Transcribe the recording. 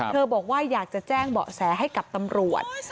บอกว่าอยากจะแจ้งเบาะแสให้กับตำรวจ